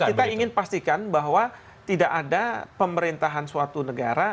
kita ingin pastikan bahwa tidak ada pemerintahan suatu negara